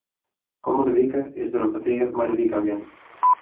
Kommende wike is der in petear mei de wykagint.